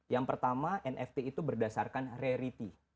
yang pertama nft itu berdasarkan reality